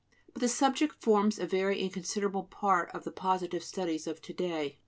But the subject forms a very inconsiderable part of the positive studies of to day.